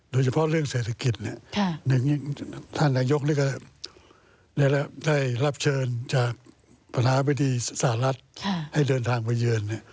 โดยเฉพาะเรื่องเศรษฐกิจท่านนายกได้รับเชิญจากประธานาธิบดีสหรัฐให้เดินทางไปเยือน